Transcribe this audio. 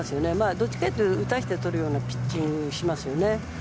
どちらかというと打たせてとるようなピッチングをしますよね。